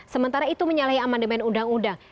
sementara itu menyalahi amandemen undang undang